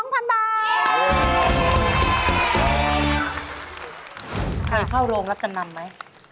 เคยเข้าโรงรับจำนำไหม